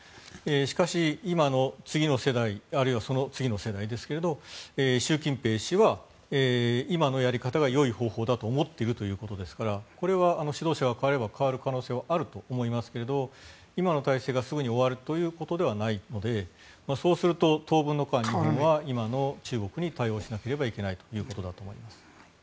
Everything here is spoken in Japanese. しかし、今の次の世代あるいはその次の世代ですけれど習近平氏は今のやり方がよい方法だと思っているということですからこれは指導者が代われば変わる可能性はあると思いますが今の体制がすぐに終わるということではないのでそうすると、当分の間は今の中国に対応しなければいけないということだと思います。